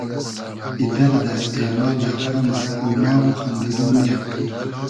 ای دئردۂ ، اېنالۂ ، غئمۂ ، اۉماغ و خئندیدۉ نییۂ